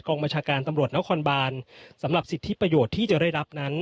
บัญชาการตำรวจนครบานสำหรับสิทธิประโยชน์ที่จะได้รับนั้น